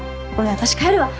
私帰るわ。